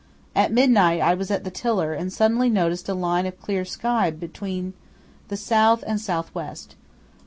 At midnight I was at the tiller and suddenly noticed a line of clear sky between the south and south west.